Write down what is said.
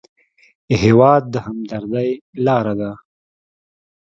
هېواد د همدردۍ لاره ده.